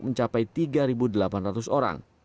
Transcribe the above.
mencapai tiga delapan ratus orang